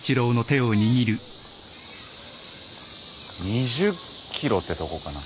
２０ｋｇってとこかな。